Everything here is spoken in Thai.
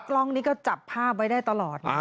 กล้องนี้ก็จับภาพไว้ได้ตลอด